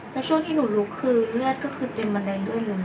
แล้วช่วงที่หนูลุกคือเลือดก็คือเต็มบันไดด้วยเลย